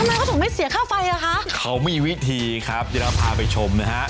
ทำไมเขาถึงไม่เสียค่าไฟอ่ะคะเขามีวิธีครับเดี๋ยวเราพาไปชมนะฮะ